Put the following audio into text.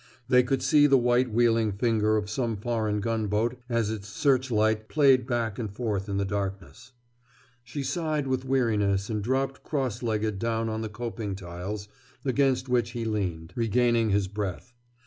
They could see the white wheeling finger of some foreign gunboat as its searchlight played back and forth in the darkness. She sighed with weariness and dropped cross legged down on the coping tiles against which he leaned, regaining his breath.